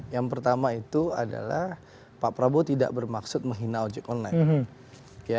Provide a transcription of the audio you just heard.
yang pertama itu adalah pak prabowo tidak bermaksud menghina ojek online